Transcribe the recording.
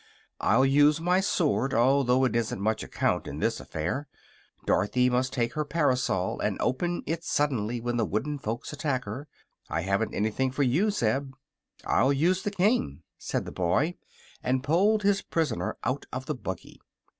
I'll use my sword, although it isn't much account in this affair. Dorothy must take her parasol and open it suddenly when the wooden folks attack her. I haven't anything for you, Zeb." "I'll use the king," said the boy, and pulled his prisoner out of the buggy.